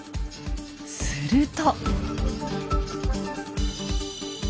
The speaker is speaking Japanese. すると。